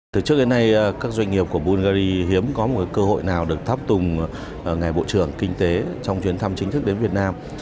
từ trước đến nay các doanh nghiệp của bulgari hiếm có một cơ hội nào được thắp tùng ngài bộ trưởng kinh tế trong chuyến thăm chính thức đến việt nam